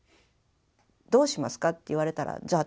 どうしますかって言われたらじゃあ